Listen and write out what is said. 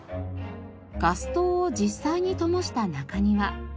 ガス灯を実際にともした中庭。